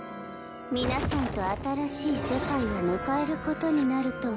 皆さんと新しい世界を迎えることになるとは。